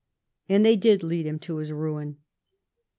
And they did lead him to his ruin.